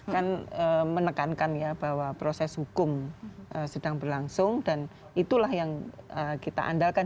kan menekankan ya bahwa proses hukum sedang berlangsung dan itulah yang kita andalkan